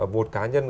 một cá nhân